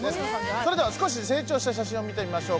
それでは少し成長した写真を見てみましょう。